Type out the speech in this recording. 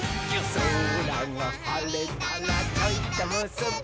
「そらがはれたらちょいとむすび」